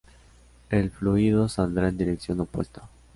El fluido saldrá en dirección opuesta.